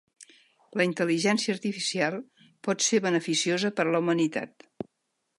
La intel·ligència artificial pot ser beneficiosa per a la humanitat.